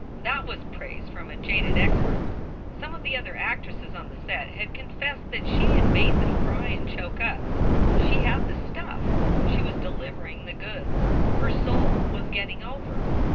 That was praise from a jaded expert. Some of the other actresses on the set had confessed that she had mads them cry and choke up. She had "the stuff." She was deliver ing the goods. Her soul was getting over.